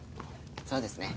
そうですね。